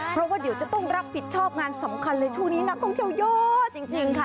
เพราะว่าเดี๋ยวจะต้องรับผิดชอบงานสำคัญเลยช่วงนี้นักท่องเที่ยวเยอะจริงค่ะ